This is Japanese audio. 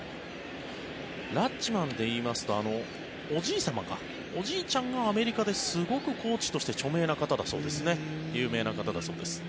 ラッチマンでいいますとおじいちゃんがアメリカで、すごくコーチとして著名な方だそうですね。